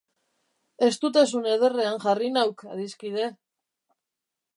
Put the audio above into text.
Estutasun ederrean jarri nauk, adiskide!